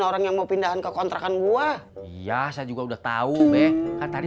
orang yang mau pindahkan ke kontrakan gua ya saya juga udah tahu deh tadi